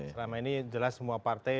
selama ini jelas semua partai